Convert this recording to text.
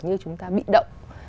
như chúng ta bị động